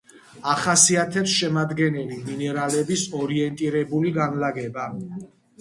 ახასიათებს შემადგენელი მინერალების ორიენტირებული განლაგება.